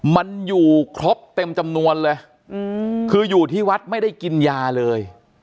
มันอยู่ครบเต็มจำนวนเลยคืออยู่ที่วัดไม่ได้กินยาเลย